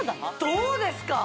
どうですか？